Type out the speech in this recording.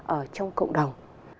ở trong cộng đồng